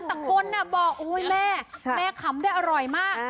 แต่คนบอกโอ๊ยแม่แม่ขำได้อร่อยมาก